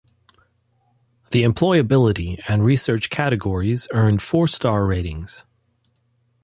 The employability and research categories earned four star ratings.